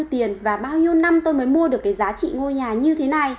bao nhiêu tiền và bao nhiêu năm tôi mới mua được cái giá trị mua nhà như thế này